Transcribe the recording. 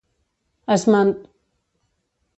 es mant